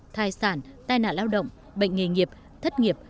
thai sản tai nạn lao động bệnh nghề nghiệp thất nghiệp